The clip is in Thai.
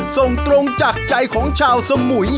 ส่งตรงจากใจของชาวสมุย